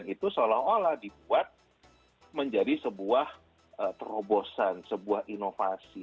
itu seolah olah dibuat menjadi sebuah terobosan sebuah inovasi